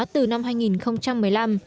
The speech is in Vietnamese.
từ năm hai nghìn một mươi năm